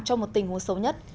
trong một tình huống xấu nhất